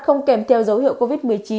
không kèm theo dấu hiệu covid một mươi chín